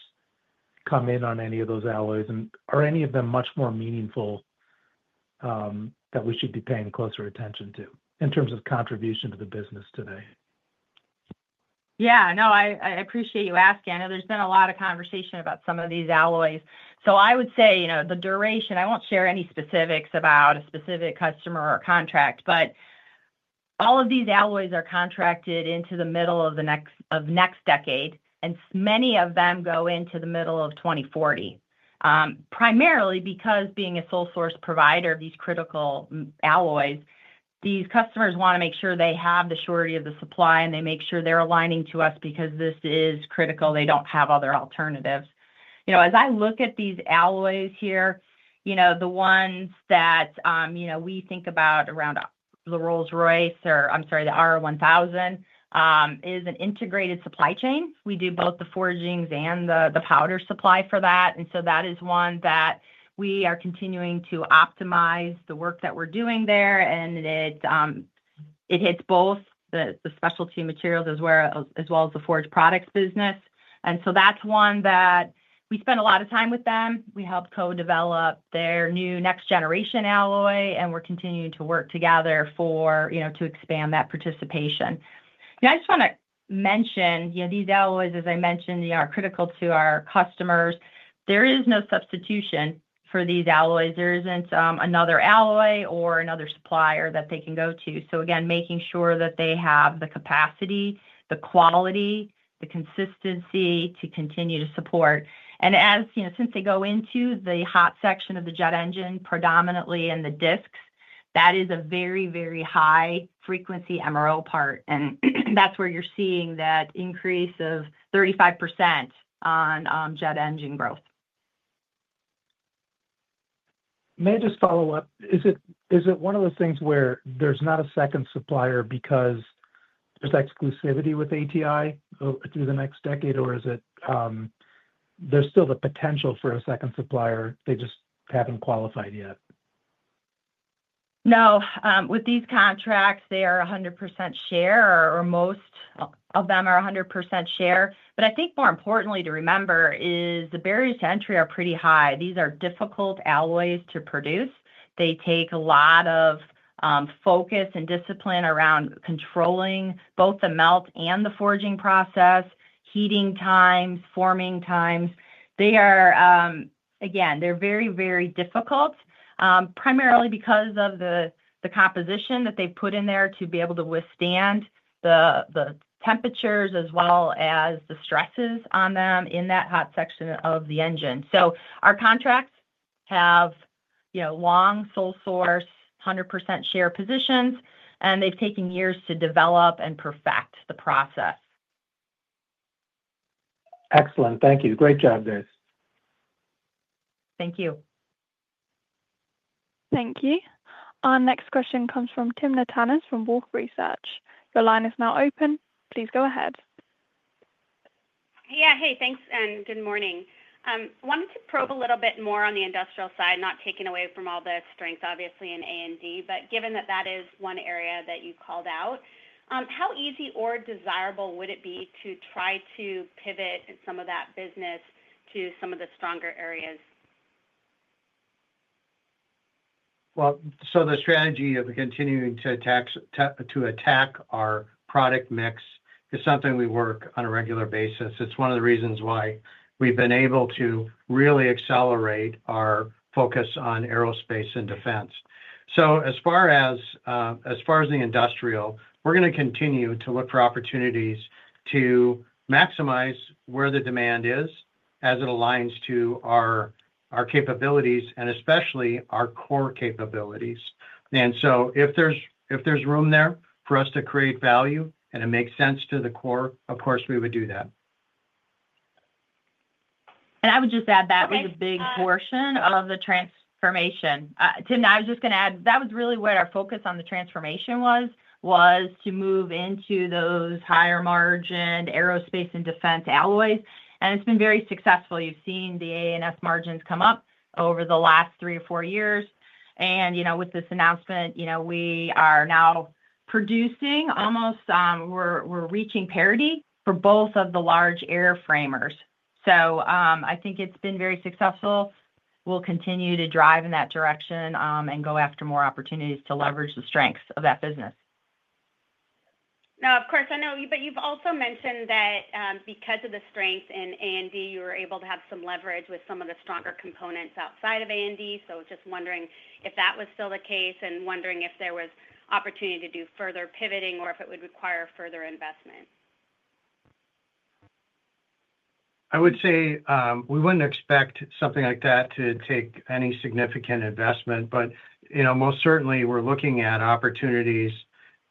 come in on any of those alloys? Are any of them much more meaningful that we should be paying closer attention to in terms of contribution to the business today? Yeah. No, I appreciate you asking. I know there's been a lot of conversation about some of these alloys. I would say the duration, I won't share any specifics about a specific customer or a contract, but all of these alloys are contracted into the middle of next decade, and many of them go into the middle of 2040, primarily because being a sole source provider of these critical alloys, these customers want to make sure they have the surety of the supply, and they make sure they're aligning to us because this is critical. They don't have other alternatives. As I look at these alloys here, the ones that we think about around the Rolls-Royce or, I'm sorry, the RR1000 is an integrated supply chain. We do both the forgings and the powder supply for that. That is one that we are continuing to optimize the work that we're doing there. It hits both the Specialty Materials as well as the Forged Products business. That is one that we spend a lot of time with them. We helped co-develop their new next-generation alloy, and we're continuing to work together to expand that participation. I just want to mention these alloys, as I mentioned, are critical to our customers. There is no substitution for these alloys. There is not another alloy or another supplier that they can go to. Again, making sure that they have the capacity, the quality, the consistency to continue to support. Since they go into the hot section of the jet engine, predominantly in the discs, that is a very, very high-frequency MRO part. That is where you're seeing that increase of 35% on jet engine growth. May I just follow up? Is it one of the things where there's not a second supplier because there's exclusivity with ATI through the next decade, or is it there's still the potential for a second supplier? They just haven't qualified yet? No. With these contracts, they are 100% share, or most of them are 100% share. I think more importantly to remember is the barriers to entry are pretty high. These are difficult alloys to produce. They take a lot of focus and discipline around controlling both the melt and the forging process, heating times, forming times. Again, they're very, very difficult, primarily because of the composition that they've put in there to be able to withstand the temperatures as well as the stresses on them in that hot section of the engine. Our contracts have long sole source 100% share positions, and they've taken years to develop and perfect the process. Excellent. Thank you. Great job, guys. Thank you. Thank you. Our next question comes from Timna Tanners from Wolfe Research. Your line is now open. Please go ahead. Yeah. Hey, thanks, and good morning. I wanted to probe a little bit more on the industrial side, not taking away from all the strengths, obviously, in A&D, but given that that is one area that you called out, how easy or desirable would it be to try to pivot some of that business to some of the stronger areas? The strategy of continuing to attack our product mix is something we work on a regular basis. It's one of the reasons why we've been able to really accelerate our focus on Aerospace and Defense. As far as the industrial, we're going to continue to look for opportunities to maximize where the demand is as it aligns to our capabilities and especially our core capabilities. If there's room there for us to create value and it makes sense to the core, of course, we would do that. I would just add that was a big portion of the transformation. Timna, I was just going to add that was really where our focus on the transformation was, was to move into those higher-margin Aerospace and Defense alloys. It has been very successful. You've seen the AA&S margins come up over the last three or four years. With this announcement, we are now producing almost we're reaching parity for both of the large airframers. I think it's been very successful. We'll continue to drive in that direction and go after more opportunities to leverage the strengths of that business. Now, of course, I know, but you've also mentioned that because of the strength in A&D, you were able to have some leverage with some of the stronger components outside of A&D. Just wondering if that was still the case and wondering if there was opportunity to do further pivoting or if it would require further investment. I would say we wouldn't expect something like that to take any significant investment, but most certainly, we're looking at opportunities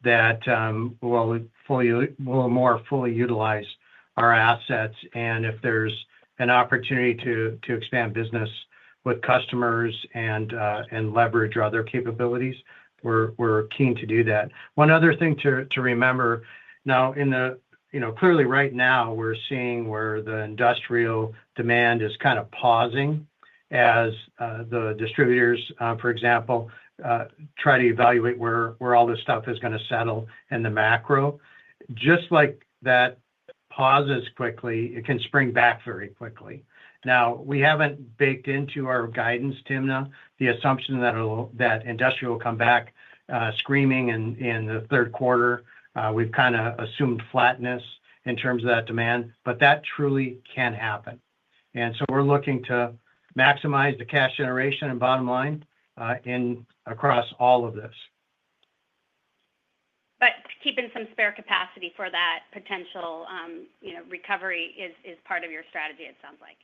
that will more fully utilize our assets. If there's an opportunity to expand business with customers and leverage other capabilities, we're keen to do that. One other thing to remember, now, clearly right now, we're seeing where the industrial demand is kind of pausing as the distributors, for example, try to evaluate where all this stuff is going to settle in the macro. Just like that pauses quickly, it can spring back very quickly. We haven't baked into our guidance, Timna, the assumption that industrial will come back screaming in the third quarter. We've kind of assumed flatness in terms of that demand, but that truly can happen. We are looking to maximize the cash generation and bottom line across all of this. Keeping some spare capacity for that potential recovery is part of your strategy, it sounds like.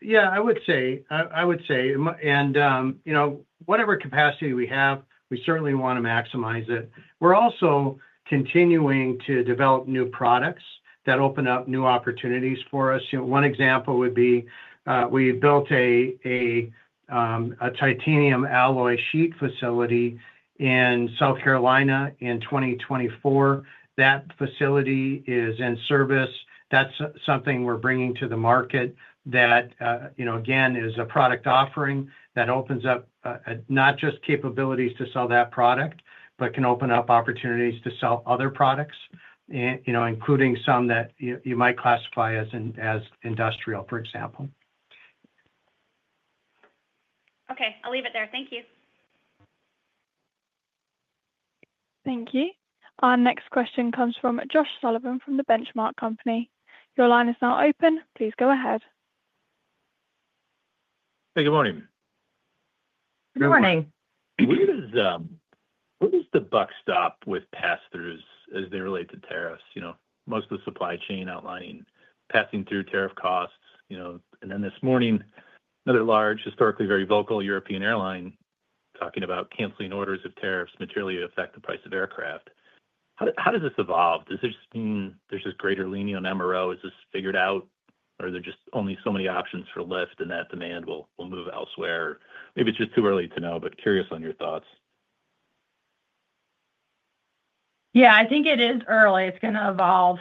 Yeah. I would say. I would say. Whatever capacity we have, we certainly want to maximize it. We're also continuing to develop new products that open up new opportunities for us. One example would be we built a titanium alloy sheet facility in South Carolina in 2024. That facility is in service. That's something we're bringing to the market that, again, is a product offering that opens up not just capabilities to sell that product, but can open up opportunities to sell other products, including some that you might classify as industrial, for example. Okay. I'll leave it there. Thank you. Thank you. Our next question comes from Josh Sullivan from The Benchmark Company. Your line is now open. Please go ahead. Hey, good morning. Good morning. What was the backstop with pass-throughs as they relate to tariffs? Most of the supply chain outlining passing through tariff costs. This morning, another large, historically very vocal European airline talking about canceling orders if tariffs materially affect the price of aircraft. How does this evolve? Does it just mean there's this greater leaning on MRO? Is this figured out? Are there just only so many options for lift, and that demand will move elsewhere? Maybe it's just too early to know, but curious on your thoughts. Yeah, I think it is early. It's going to evolve.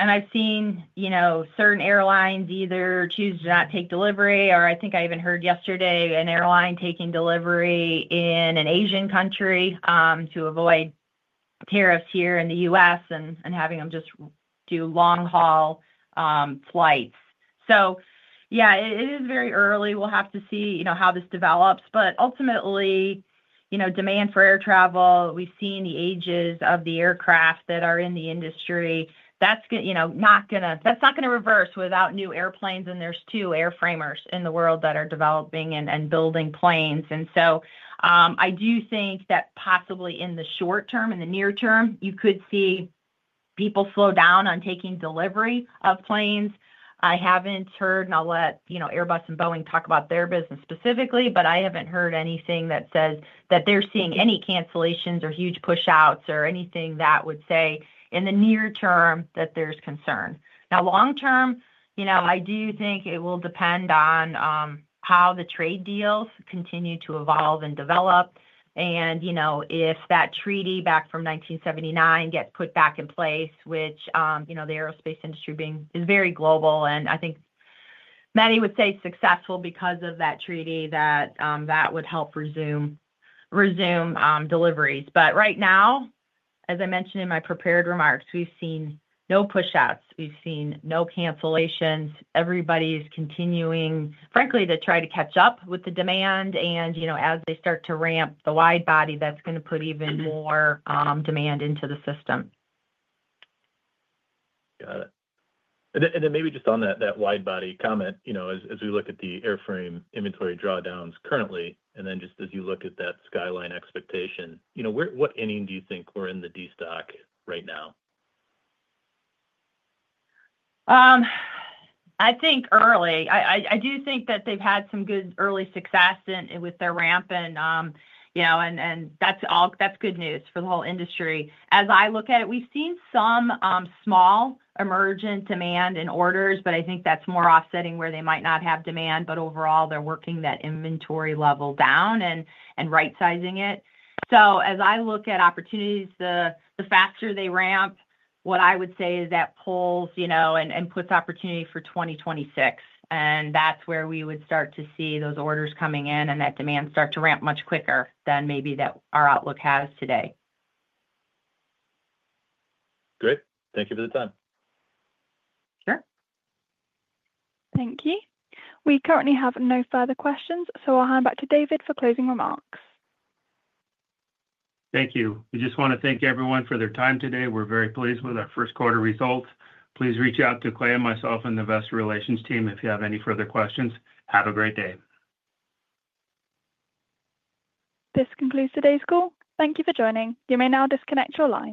I've seen certain airlines either choose to not take delivery, or I think I even heard yesterday an airline taking delivery in an Asian country to avoid tariffs here in the U.S. and having them just do long-haul flights. It is very early. We'll have to see how this develops. Ultimately, demand for air travel, we've seen the ages of the aircraft that are in the industry. That's not going to reverse without new airplanes. There are two airframers in the world that are developing and building planes. I do think that possibly in the short term, in the near term, you could see people slow down on taking delivery of planes. I haven't heard, and I'll let Airbus and Boeing talk about their business specifically, but I haven't heard anything that says that they're seeing any cancellations or huge push-outs or anything that would say in the near term that there's concern. Now, long term, I do think it will depend on how the trade deals continue to evolve and develop. If that treaty back from 1979 gets put back in place, which the aerospace industry is very global, and I think many would say successful because of that treaty, that would help resume deliveries. Right now, as I mentioned in my prepared remarks, we've seen no push-outs. We've seen no cancellations. Everybody is continuing, frankly, to try to catch up with the demand. As they start to ramp the widebody, that's going to put even more demand into the system. Got it. Maybe just on that widebody comment, as we look at the airframe inventory drawdowns currently, and then just as you look at that skyline expectation, what ending do you think we're in the destock right now? I think early. I do think that they've had some good early success with their ramp, and that's good news for the whole industry. As I look at it, we've seen some small emergent demand in orders, but I think that's more offsetting where they might not have demand, but overall, they're working that inventory level down and right-sizing it. As I look at opportunities, the faster they ramp, what I would say is that pulls and puts opportunity for 2026. That's where we would start to see those orders coming in and that demand start to ramp much quicker than maybe our outlook has today. Great. Thank you for the time. Sure. Thank you. We currently have no further questions, so I'll hand back to David for closing remarks. Thank you. We just want to thank everyone for their time today. We're very pleased with our first quarter results. Please reach out to Clay, myself, and the investor relations team if you have any further questions. Have a great day. This concludes today's call. Thank you for joining. You may now disconnect your line.